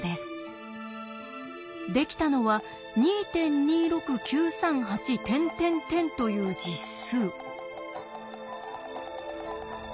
できたのは２．２６９３８という実数。